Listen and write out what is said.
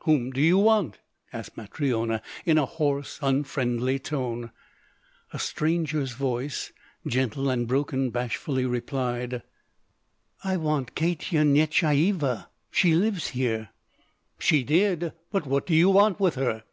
"Whom do you want?" asked Matryona in a hoarse, unfriendly tone. A stranger's voice, gentle and broken, bashfully replied: "I want Katya Nyechayeva. She lives here?" "She did. But what do you want with her?"